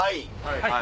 はい。